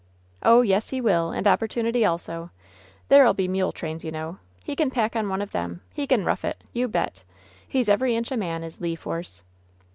"Oh, yes he will! And opportunity also. There'll be mule trains, you know. He can pack on one of them. He can rough it ! You bet ! He's every inch a man, is Le Force!"